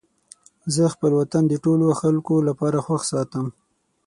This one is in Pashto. زه خپل وطن د ټولو خلکو لپاره خوښ ساتم.